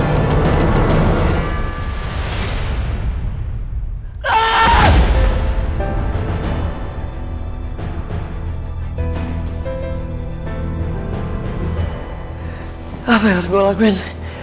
apa yang harus gue lakuin sih